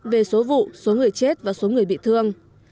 về số vụ số người chết và số người bị thương